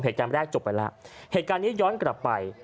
จำแรกจบไปแล้วเหตุการณ์นี้ย้อนกลับไป